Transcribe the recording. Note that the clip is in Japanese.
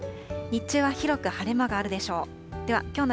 日中は広く晴れ間があるでしょう。